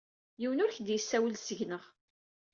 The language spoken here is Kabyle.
Yiwen ur k-d-yessawel seg-neɣ.